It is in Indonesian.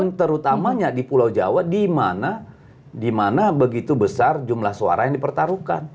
dan terutamanya di pulau jawa di mana begitu besar jumlah suara yang dipertaruhkan